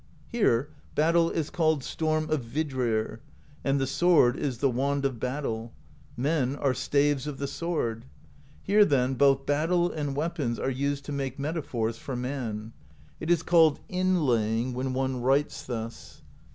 Here battle is called Storm of Vidrir, and the sword is the Wand of Battle; men are Staves of the Sword. Here, then, both battle and weapons are used to make metaphors for man. It is called 'inlaying,' when one writes thus.